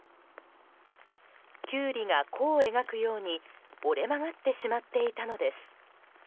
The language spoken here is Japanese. キュウリが弧を描くように折れ曲がってしまっていたのです。